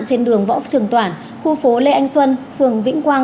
trên đường võ trường toản khu phố lê anh xuân phường vĩnh quang